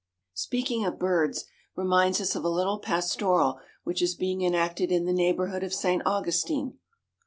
Speaking of birds reminds us of a little pastoral which is being enacted in the neighborhood of St. Augustine.